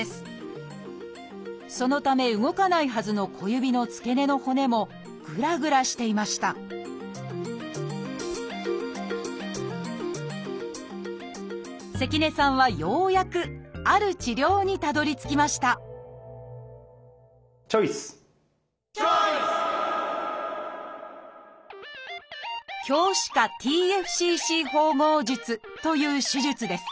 そのため動かないはずの小指の付け根の骨もぐらぐらしていました関根さんはようやくある治療にたどりつきましたチョイス！という手術です。